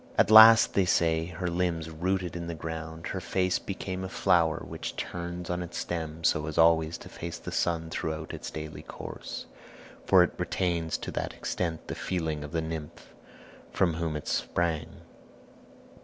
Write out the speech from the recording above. At last, they say, her limbs rooted in the ground, her face became a flower [Footnote: The sunflower.] which turns on its stem so as always to face the sun throughout its daily course; for it retains to that extent the feeling of the nymph from whom it sprang.